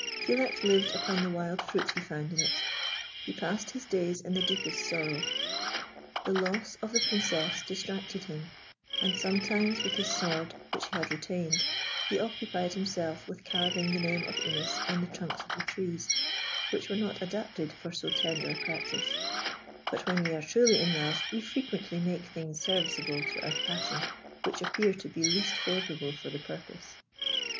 Philax lived upon the wild fruit he found in it. He passed his days in the deepest sorrow. The loss of the Princess distracted him, and sometimes, with his sword, which he had retained, he occupied himself with carving the name of Imis on the trunks of the trees, which were not adapted for so tender a practice; but when we are truly in love we frequently make things serviceable to our passion which appear to be least favourable for the purpose.